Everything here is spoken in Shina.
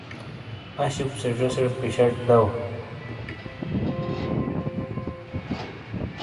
انشُپ سے زیسیڑے پیشٹ دو